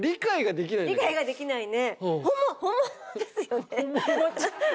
理解ができないね。